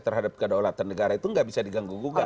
terhadap keadaan olahraga negara itu tidak bisa diganggu ganggu